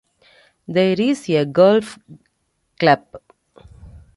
There is a golf club.